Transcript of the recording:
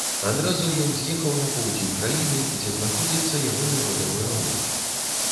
Адразу ён з'ехаў на поўдзень краіны, дзе знаходзіцца ягоны родавы аул.